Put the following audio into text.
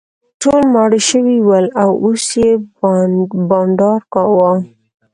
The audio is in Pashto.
ټول ماړه شوي ول او اوس یې بانډار کاوه.